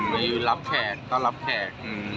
มารับแขกก็รับแขก